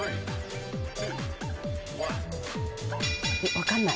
分かんない。